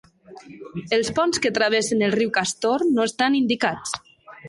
Els ponts que travessen el riu Castor no estan indicats.